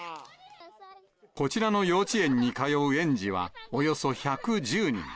こちらの幼稚園に通う園児は、およそ１１０人。